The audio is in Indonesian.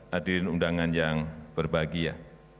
hadirin undangan yang berbahagia